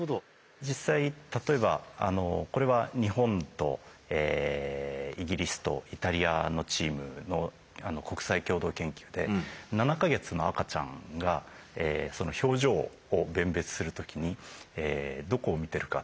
で実際例えばあのこれは日本とイギリスとイタリアのチームのあの国際共同研究で７か月の赤ちゃんがその表情を弁別する時にどこを見てるか。